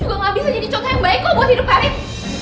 ini juga gak bisa jadi contoh yang baik kok buat hidup karim